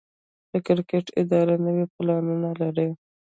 د کرکټ اداره نوي پلانونه لري.